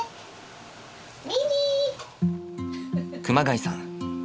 熊谷さん